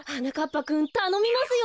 ぱくんたのみますよ。